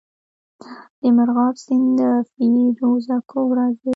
د مرغاب سیند له فیروز کوه راځي